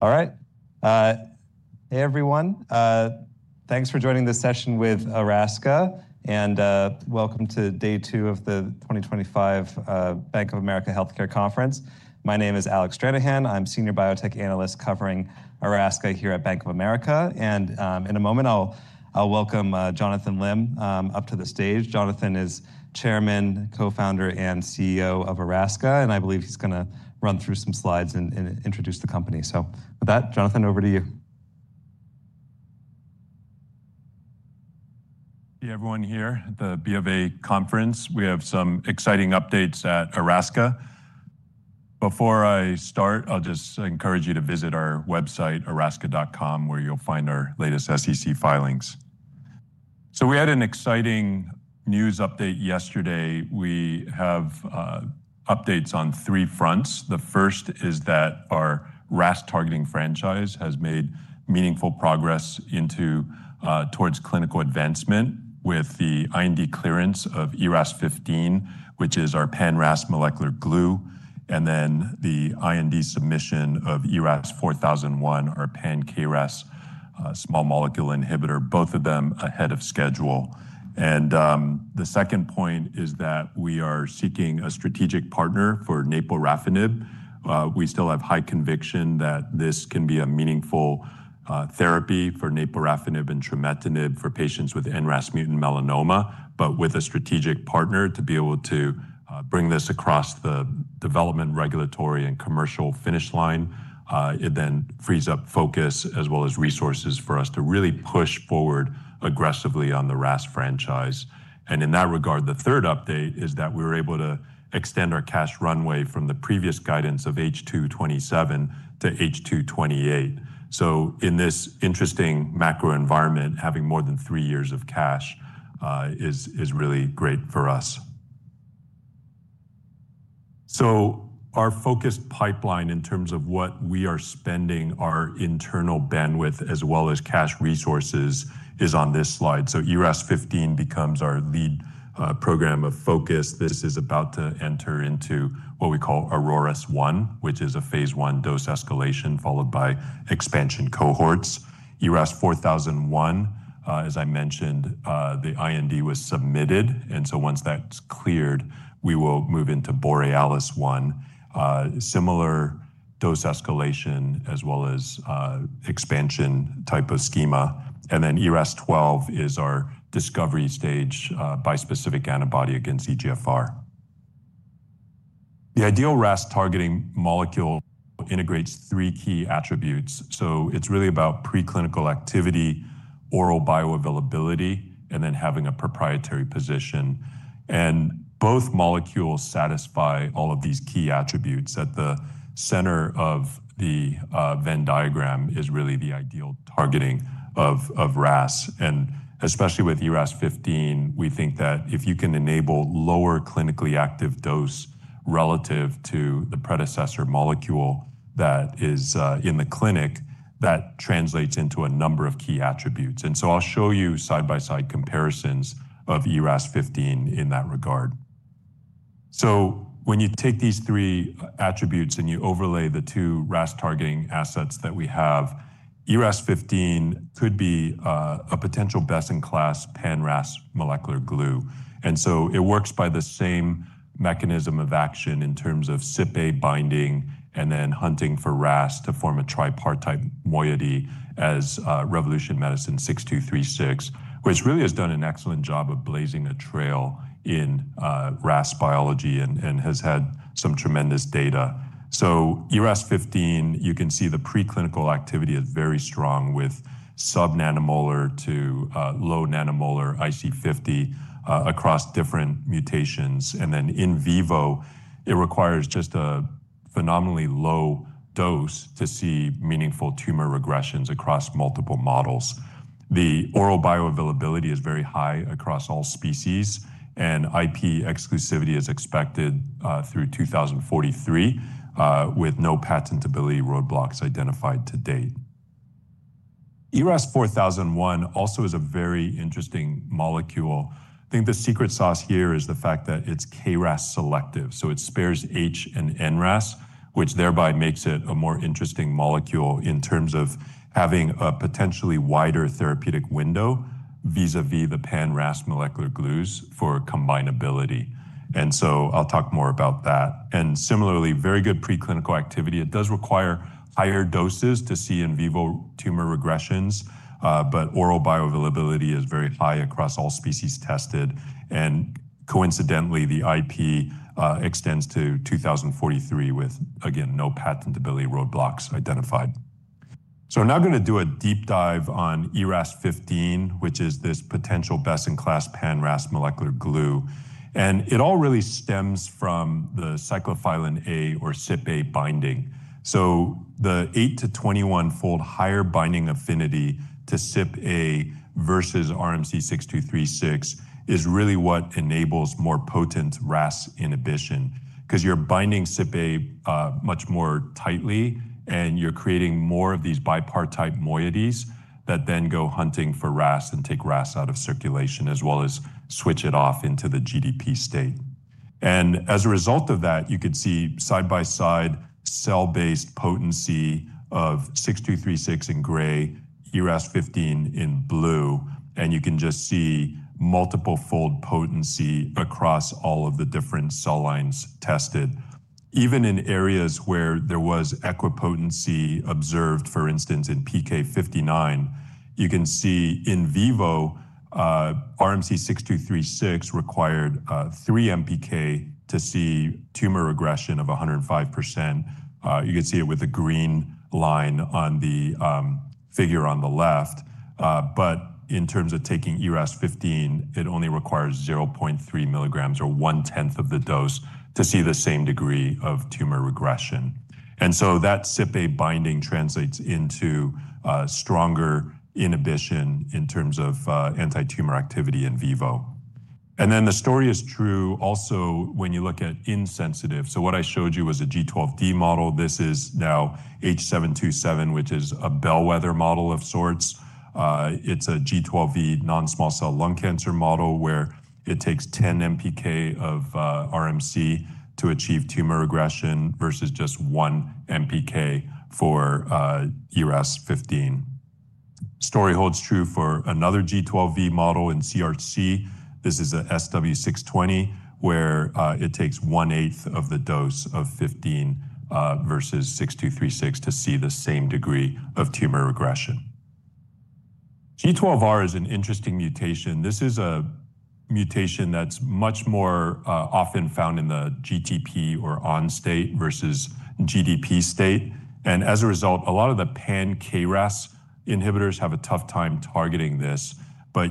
All right. Hey, everyone. Thanks for joining this session with Erasca. Welcome to day two of the 2025 Bank of America Healthcare Conference. My name is Alec Stranahan. I'm a Senior Biotech Analyst covering Erasca here at Bank of America. In a moment, I'll welcome Jonathan Lim up to the stage. Jonathan is Chairman, Co-Founder, and CEO of Erasca. I believe he's going to run through some slides and introduce the company. With that, Jonathan, over to you. Hey, everyone here at the BofA Conference. We have some exciting updates at Erasca. Before I start, I'll just encourage you to visit our website, erasca.com, where you'll find our latest SEC filings. We had an exciting news update yesterday. We have updates on three fronts. The first is that our RAS-Targeting Franchise has made meaningful progress towards clinical advancement with the IND clearance of ERAS-0015, which is our pan-RAS molecular glue, and then the IND submission of ERAS-4001, our pan-KRAS small molecule inhibitor, both of them ahead of schedule. The second point is that we are seeking a strategic partner for naporafenib. We still have high conviction that this can be a meaningful therapy for naporafenib and trametinib for patients with NRAS-mutant melanoma, but with a strategic partner to be able to bring this across the development, regulatory, and commercial finish line. It then frees up focus as well as resources for us to really push forward aggressively on the RAS franchise. In that regard, the third update is that we were able to extend our cash runway from the previous guidance of H2 2027 to H2 2028. In this interesting macro environment, having more than three years of cash is really great for us. Our focus pipeline in terms of what we are spending our internal bandwidth as well as cash resources is on this slide. ERAS-0015 becomes our lead program of focus. This is about to enter into what we call AURORAS-1, which is a phase I dose escalation followed by expansion cohorts. ERAS-4001, as I mentioned, the IND was submitted. Once that's cleared, we will move into BOREALIS-1, similar dose escalation as well as expansion type of schema. ERAS-12 is our discovery stage bispecific antibody against EGFR. The ideal RAS targeting molecule integrates three key attributes. It is really about preclinical activity, oral bioavailability, and then having a proprietary position. Both molecules satisfy all of these key attributes. At the center of the Venn diagram is really the ideal targeting of RAS. Especially with ERAS-0015, we think that if you can enable lower clinically active dose relative to the predecessor molecule that is in the clinic, that translates into a number of key attributes. I will show you side-by-side comparisons of ERAS-0015 in that regard. When you take these three attributes and you overlay the two RAS targeting assets that we have, ERAS-0015 could be a potential best-in-class pan-RAS molecular glue. It works by the same mechanism of action in terms of CypA binding and then hunting for RAS to form a tripartite moiety as Revolution Medicines 6236, which really has done an excellent job of blazing a trail in RAS biology and has had some tremendous data. ERAS-0015, you can see the preclinical activity is very strong with sub-nanomolar to low-nanomolar IC50 across different mutations. In vivo, it requires just a phenomenally low dose to see meaningful tumor regressions across multiple models. The oral bioavailability is very high across all species. IP exclusivity is expected through 2043 with no patentability roadblocks identified to date. ERAS-4001 also is a very interesting molecule. I think the secret sauce here is the fact that it's KRAS selective. It spares H/NRAS, which thereby makes it a more interesting molecule in terms of having a potentially wider therapeutic window vis-à-vis the pan-RAS molecular glues for combinability. I'll talk more about that. Similarly, very good preclinical activity. It does require higher doses to see in vivo tumor regressions, but oral bioavailability is very high across all species tested. Coincidentally, the IP extends to 2043 with, again, no patentability roadblocks identified. I'm now going to do a deep dive on ERAS-0015, which is this potential best-in-class pan-RAS molecular glue. It all really stems from the cyclophilin A or CypA binding. The 8-21-fold higher binding affinity to CypA versus RMC-6236 is really what enables more potent RAS inhibition because you're binding CypA much more tightly and you're creating more of these bipartite moieties that then go hunting for RAS and take RAS out of circulation as well as switch it off into the GDP state. As a result of that, you could see side-by-side cell-based potency of 6236 in gray, ERAS-0015 in blue. You can just see multiple-fold potency across all of the different cell lines tested. Even in areas where there was equipotency observed, for instance, in PK-59, you can see in vivo, RMC-6236 required 3 mpk to see tumor regression of 105%. You can see it with a green line on the figure on the left. In terms of taking ERAS-0015, it only requires 0.3 mg or one-tenth of the dose to see the same degree of tumor regression. That CypA binding translates into stronger inhibition in terms of anti-tumor activity in vivo. The story is true also when you look at insensitive. What I showed you was a G12D model. This is now H727, which is a bellwether model of sorts. It is a G12V non-small cell lung cancer model where it takes 10 mpk of RMC-6236 to achieve tumor regression versus just 1 mpk for ERAS-0015. The story holds true for another G12V model in CRC. This is an SW620 where it takes 1/8 of the dose of ERAS-0015 versus RMC-6236 to see the same degree of tumor regression. G12R is an interesting mutation. This is a mutation that's much more often found in the GTP or on-state versus GDP state. As a result, a lot of the pan-KRAS inhibitors have a tough time targeting this.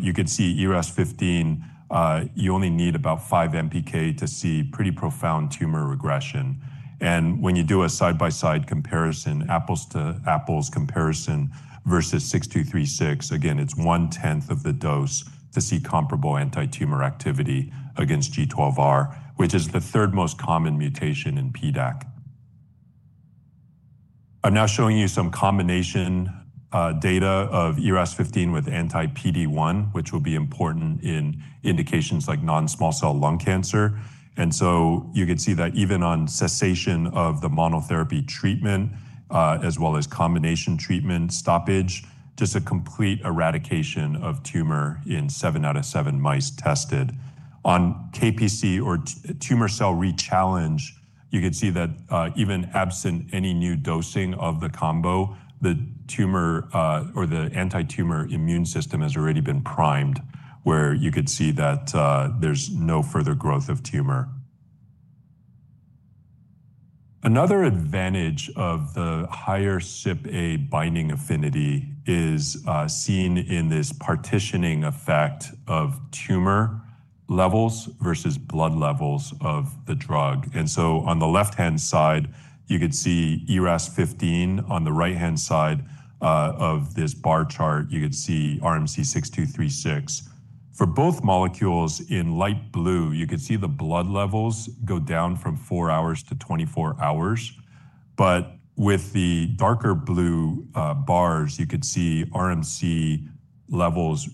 You could see ERAS-0015, you only need mpk to see pretty profound tumor regression. When you do a side-by-side comparison, apples to apples comparison versus 6236, again, it's 1/10 of the dose to see comparable anti-tumor activity against G12R, which is the third most common mutation in PDAC. I'm now showing you some combination data of ERAS-0015 with anti-PD-1, which will be important in indications like non-small cell lung cancer. You can see that even on cessation of the monotherapy treatment as well as combination treatment stoppage, just a complete eradication of tumor in 7 out of 7 mice tested. On KPC or tumor cell rechallenge, you can see that even absent any new dosing of the combo, the tumor or the anti-tumor immune system has already been primed where you could see that there's no further growth of tumor. Another advantage of the higher CypA binding affinity is seen in this partitioning effect of tumor levels versus blood levels of the drug. On the left-hand side, you could see ERAS-0015. On the right-hand side of this bar chart, you could see RMC-6236. For both molecules in light blue, you could see the blood levels go down from 4 hours to 24 hours. With the darker blue bars, you could see RMC-6236 levels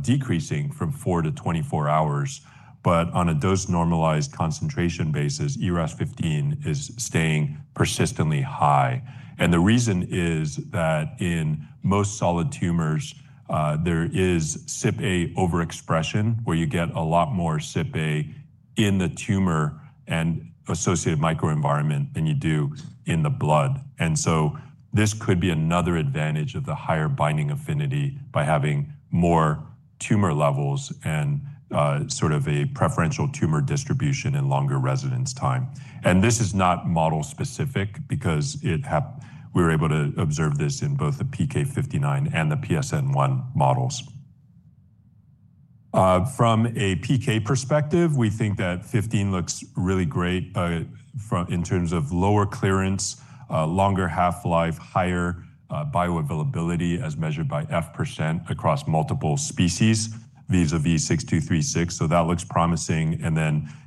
decreasing from 4 hours to 24 hours. On a dose-normalized concentration basis, ERAS-0015 is staying persistently high. The reason is that in most solid tumors, there is CypA overexpression where you get a lot more CypA in the tumor and associated microenvironment than you do in the blood. This could be another advantage of the higher binding affinity by having more tumor levels and sort of a preferential tumor distribution and longer residence time. This is not model-specific because we were able to observe this in both the PK-59 and the PSN1 models. From a PK perspective, we think that 15 looks really great in terms of lower clearance, longer half-life, higher bioavailability as measured by F % across multiple species vis-à-vis 6236. That looks promising.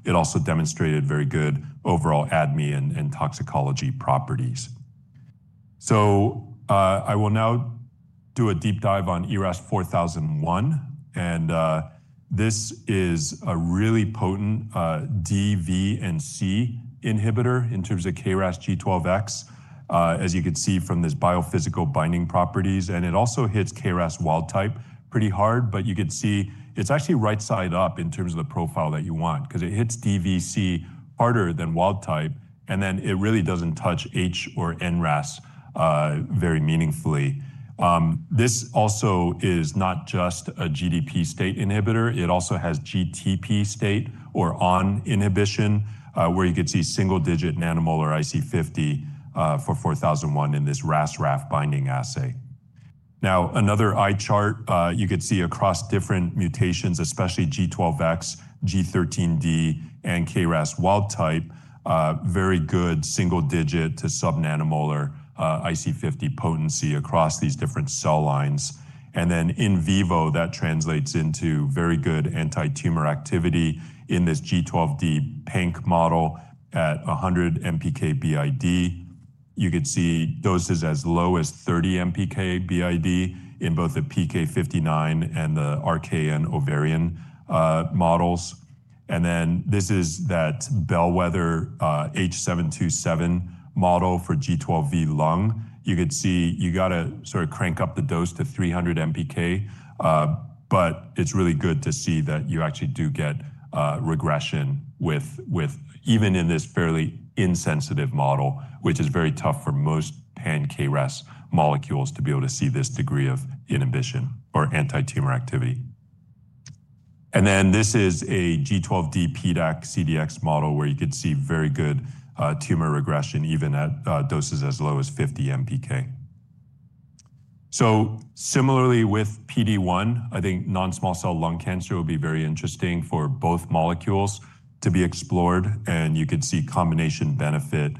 It also demonstrated very good overall ADME and toxicology properties. I will now do a deep dive on ERAS-4001. This is a really potent D, V, and C inhibitor in terms of KRAS G12X, as you could see from this biophysical binding properties. It also hits KRAS wild type pretty hard, but you could see it's actually right side up in terms of the profile that you want because it hits DVC harder than wild type. It really doesn't touch H or NRAS very meaningfully. This also is not just a GDP state inhibitor. It also has GTP state or on inhibition where you could see single-digit nanomolar IC50 for 4001 in this RAS-RAF binding assay. Another eye chart you could see across different mutations, especially G12X, G13D, and KRAS wild type, very good single-digit to sub-nanomolar IC50 potency across these different cell lines. In vivo, that translates into very good anti-tumor activity in this G12D Panc model at 100 mpk BID. You could see doses as low as 30 mpk BID in both the PK-59 and the RKN ovarian models. This is that bellwether H727 model for G12V lung. You could see you got to sort of crank up the dose to 300 mpk, but it's really good to see that you actually do get regression even in this fairly insensitive model, which is very tough for most pan-KRAS molecules to be able to see this degree of inhibition or anti-tumor activity. This is a G12D PDAC CDX model where you could see very good tumor regression even at doses as low as 50 mpk. Similarly with PD-1, I think non-small cell lung cancer will be very interesting for both molecules to be explored. You could see combination benefit,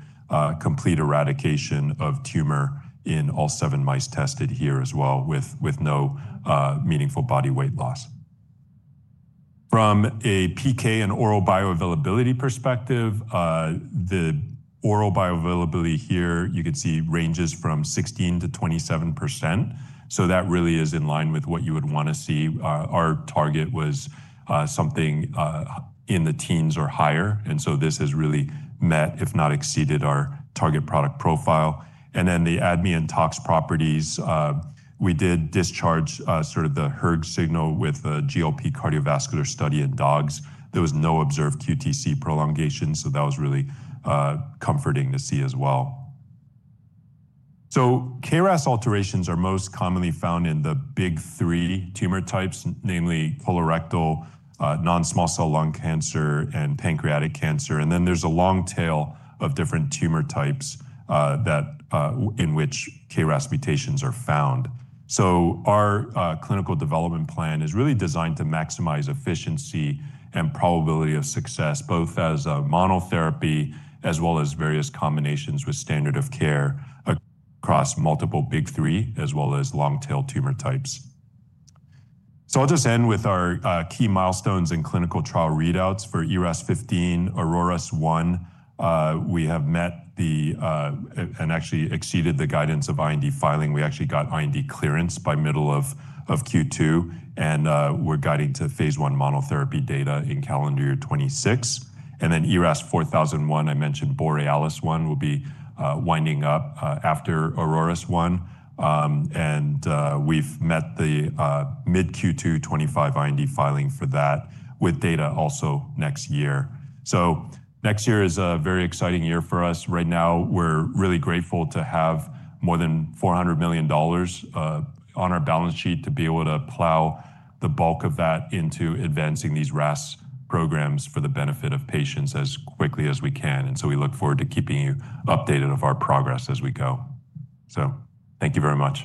complete eradication of tumor in all seven mice tested here as well with no meaningful body weight loss. From a PK and oral bioavailability perspective, the oral bioavailability here, you could see ranges from 16%-27%. That really is in line with what you would want to see. Our target was something in the teens or higher, and this has really met, if not exceeded, our target product profile. The ADME and tox properties, we did discharge sort of the hERG signal with a GLP cardiovascular study in dogs. There was no observed QTc prolongation, so that was really comforting to see as well. KRAS alterations are most commonly found in the big three tumor types, namely colorectal, non-small cell lung cancer, and pancreatic cancer. There is a long tail of different tumor types in which KRAS mutations are found. Our clinical development plan is really designed to maximize efficiency and probability of success, both as a monotherapy as well as various combinations with standard of care across multiple big three as well as long-tail tumor types. I will just end with our key milestones and clinical trial readouts for ERAS-0015, AURORAS-1. We have met and actually exceeded the guidance of IND filing. We actually got IND clearance by middle of Q2. We are guiding to phase one monotherapy data in calendar year 2026. ERAS-4001, I mentioned BOREALIS-1 will be winding up after AURORAS-1. We have met the mid-Q2 2025 IND filing for that with data also next year. Next year is a very exciting year for us. Right now, we're really grateful to have more than $400 million on our balance sheet to be able to plow the bulk of that into advancing these RAS programs for the benefit of patients as quickly as we can. We look forward to keeping you updated of our progress as we go. Thank you very much.